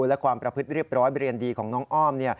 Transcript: และความประพฤติเรียบร้อยเรียนดีของน้องอ้อม